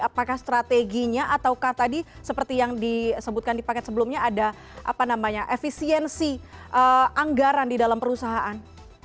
apakah strateginya ataukah tadi seperti yang disebutkan di paket sebelumnya ada efisiensi anggaran di dalam perusahaan